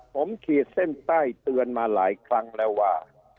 ผมขีดเส้นใต้เตือนมาหลายครั้งแล้วว่า